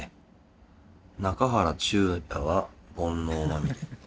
「中原中也は煩悩まみれ」。